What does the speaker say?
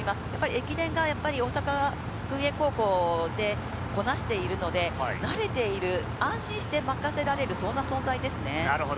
駅伝がやっぱり大阪薫英高校でこなしているので、慣れている、安心して任せられる、そんな存在ですね。